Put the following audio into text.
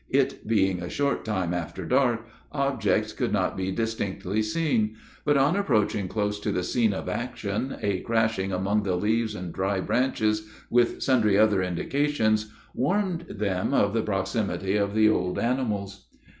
It being a short time after dark, objects could not be distinctly seen; but, on approaching close to the scene of action, a crashing among the leaves and dry branches, with sundry other indications, warned them of the proximity of the old animals.